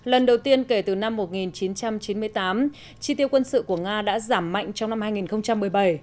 lần đầu tiên kể từ năm một nghìn chín trăm chín mươi tám chi tiêu quân sự của nga đã giảm mạnh trong năm hai nghìn một mươi bảy